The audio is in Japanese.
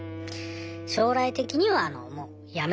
将来的にはもうやめたいです。